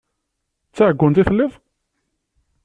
D taɛeggunt i telliḍ?